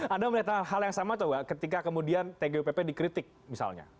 anda melihat hal yang sama atau enggak ketika kemudian tgupp dikritik misalnya